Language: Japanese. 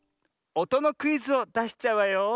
おとのクイズをだしちゃうわよ。